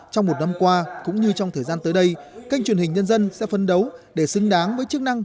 trong một năm qua cũng như trong thời gian tới đây kênh truyền hình nhân dân sẽ phân đấu để xứng đáng với chức năng